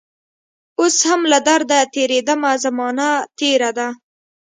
اوس هم له درده تیریدمه زمانه تیره ده